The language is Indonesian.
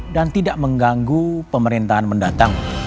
dan tidak mengganggu pemerintahan mendatang